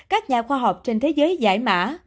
các nhà khoa học trên thế giới giải mã